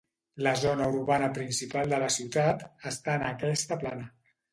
La zona urbana principal de la ciutat està en aquesta plana.